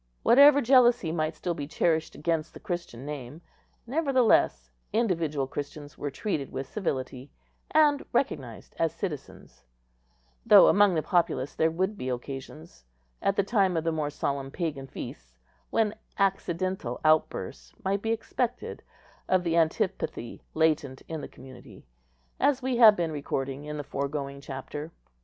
Whatever jealousy might be still cherished against the Christian name, nevertheless, individual Christians were treated with civility, and recognised as citizens; though among the populace there would be occasions, at the time of the more solemn pagan feasts, when accidental outbursts might be expected of the antipathy latent in the community, as we have been recording in the foregoing chapter.